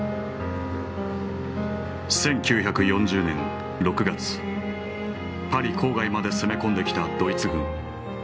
１９４０年６月パリ郊外まで攻め込んできたドイツ軍。